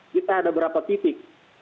kita ada berapa titik